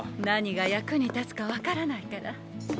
何が役に立つか分からないから。